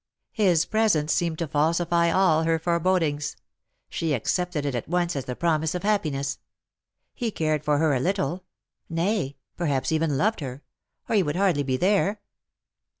His presence seemed to falsify all her forebodings. She accepted it at once as the promise of happiness. He cared for her a little — nay, perhaps even loved her — or he would hardly be there.